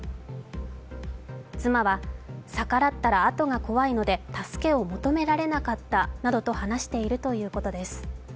妻は、逆らったらあとが怖いので助けを求められなかったなどと話しているということです。